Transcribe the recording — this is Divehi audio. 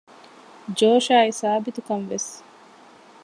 ޖޯޝާއި ސާބިތުކަންވެސް